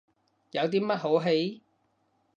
有啲乜好戯？